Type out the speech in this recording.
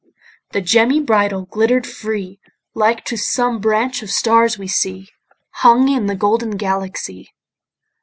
The gemmy bridle glitter'd free, Like to some branch of stars we see Hung in the golden Galaxy.